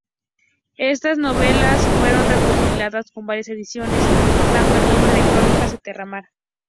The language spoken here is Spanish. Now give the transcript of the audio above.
Estas novelas fueron recopiladas en varias ediciones bajo el nombre de Crónicas de Terramar.